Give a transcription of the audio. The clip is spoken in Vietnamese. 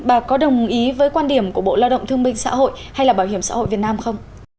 bà có đồng ý với quan điểm của bộ lao động thương minh xã hội hay là bảo hiểm xã hội việt nam không